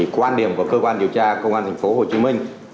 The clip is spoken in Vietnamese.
quan điểm của cơ quan điều tra công an tp hcm